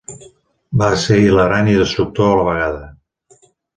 Va ser hilarant i destructor a la vegada.